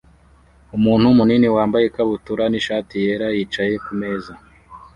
Umuntu munini wambaye ikabutura nishati yera yicaye kumeza